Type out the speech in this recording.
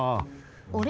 あれ？